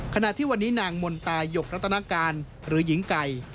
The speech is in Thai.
ขณะที่วันนี้นางมนตายกรัตนาการหรือหญิงไก่